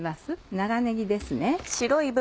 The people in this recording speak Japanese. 長ねぎですね。